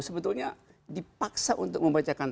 sebetulnya dipaksa untuk membacakan